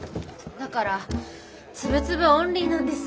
だからつぶつぶオンリーなんです。